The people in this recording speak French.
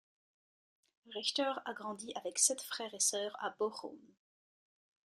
Richter a grandi avec sept frères et sœurs à Bochum.